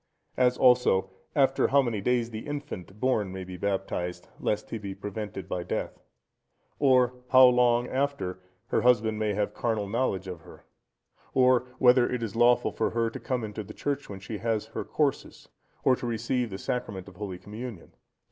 As also, after how many days the infant born may be baptized, lest he be prevented by death? Or how long after her husband may have carnal knowledge of her? Or whether it is lawful for her to come into the church when she has her courses, or to receive the Sacrament of Holy Communion?